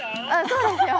そうですよ！